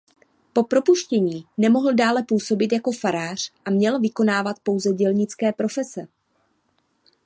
Po propuštění nemohl dále působit jako farář a směl vykonávat pouze dělnické profese.